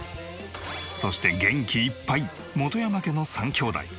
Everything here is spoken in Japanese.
そして元気いっぱい本山家の３兄妹。